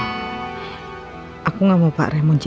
tapi aku keser eran peterta sama dia